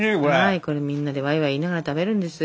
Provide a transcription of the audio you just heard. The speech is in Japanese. これみんなでワイワイ言いながら食べるんですよ。